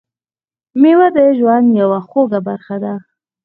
میوه د ژوند یوه خوږه برخه ده.